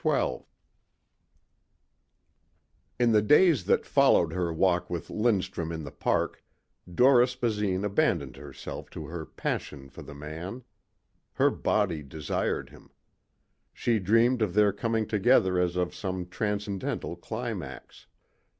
12 In the days that followed her walk with Lindstrum in the park, Doris Basine abandoned herself to her passion for the man. Her body desired him. She dreamed of their coming together as of some transcendental climax.